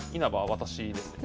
私ですね。